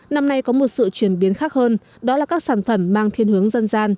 năm nay có một sự chuyển biến khác hơn đó là các sản phẩm mang thiên hướng dân gian